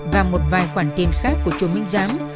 và một vài khoản tiền khác của chùa minh giám